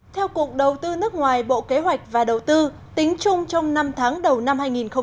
theo cục đầu tư nước ngoài bộ kế hoạch và đầu tư tính chung trong năm tháng đầu năm hai nghìn một mươi chín